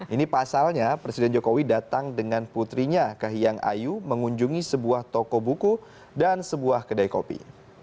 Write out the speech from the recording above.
ini pasalnya presiden jokowi datang dengan putrinya kahiyang ayu mengunjungi sebuah toko buku dan sebuah kedai kopi